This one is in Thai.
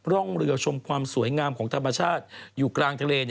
ร่องเรือชมความสวยงามของธรรมชาติอยู่กลางทะเล